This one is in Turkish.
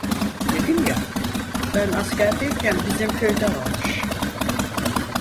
Dedim ya, ben askerdeyken bizim köyde almış.